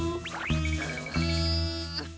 うん。